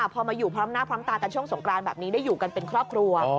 พอมาอยู่พร้อมหน้าพร้อมตากันช่วงสงกรานแบบนี้ได้อยู่กันเป็นครอบครัว